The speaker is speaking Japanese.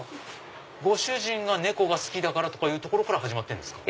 ご主人が猫が好きというとこから始まってるんですか？